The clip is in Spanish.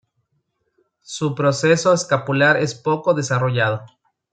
Su proceso escapular es poco desarrollado.